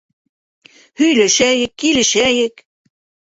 Һөйләшәйек, килешәйек!